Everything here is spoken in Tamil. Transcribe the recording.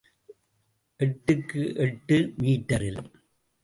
எட்டுக்கு எட்டு மீட்டரில்.